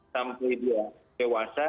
sampai dia dewasa